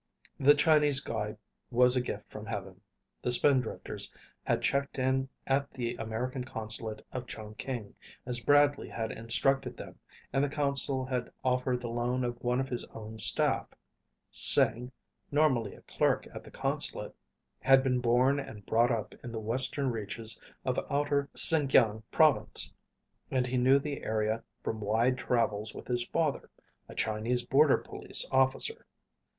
The Chinese guide was a gift from heaven. The Spindrifters had checked in at the American Consulate at Chungking, as Bradley had instructed them, and the consul had offered the loan of one of his own staff. Sing, normally a clerk at the consulate, had been born and brought up in the western reaches of outer Sinkiang Province, and he knew the area from wide travels with his father, a Chinese border police officer.